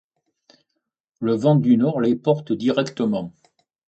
Le vent du nord les porte directement.